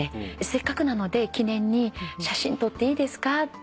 せっかくなので記念に写真撮っていいですかって言って。